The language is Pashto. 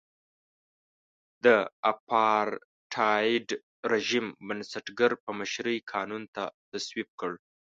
د اپارټایډ رژیم بنسټګر په مشرۍ قانون تصویب کړ.